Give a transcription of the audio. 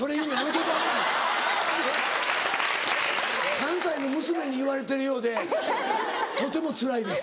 ３歳の娘に言われてるようでとてもつらいです。